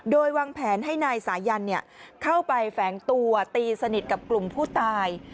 โดยวางแผนให้นายสายันเข้าไปแฝงตัวตีสนิทกับกลุ่มผู้ตาย